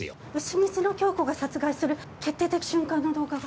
丑三つのキョウコが殺害する決定的瞬間の動画が。